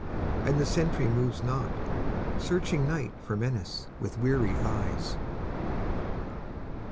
And the sentry moves not, searching Night for menace with weary eyes.